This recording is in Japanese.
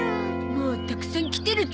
もうたくさん来てるゾ。